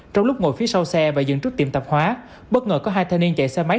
trong lúc ngồi phía sau xe và dựng trước tiệm tạp hóa bất ngờ có hai thanh niên chạy xe máy